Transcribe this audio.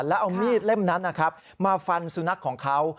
แล้วเอามีดเล่มนั้นนะครับมาฟันสุนัขของเขา